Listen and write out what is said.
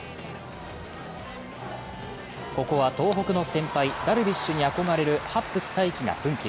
ここは東北の先輩、ダルビッシュに憧れるハッブス大起が奮起。